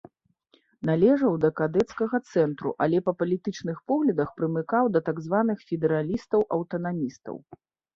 Належаў да кадэцкага цэнтру, але па палітычных поглядах прымыкаў да так званых федэралістаў-аўтанамістаў.